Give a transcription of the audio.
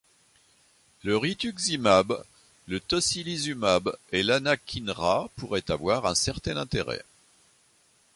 Le rituximab, le tocilizumab et l'anakinra pourraient avoir un certain intérêt.